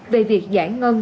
về việc giải ngân